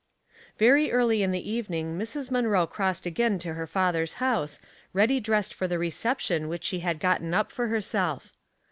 Very early in the evening Mrs. Munroe crossed again to her father's house, ready dressed for the reception which she had gotten up for herself.